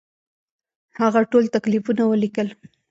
هغه ټول تکلیفونه ولیکل.